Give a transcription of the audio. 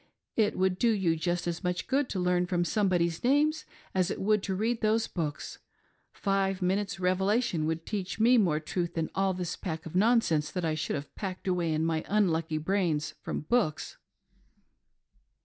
It would do you just as much good to learn those somebodies' names as it would to read those books. Five minutes revelation would teach me more truth than all this pack of non sense that I should have packed away in my unlucky brains from books."